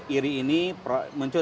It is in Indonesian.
iri ini mencukupi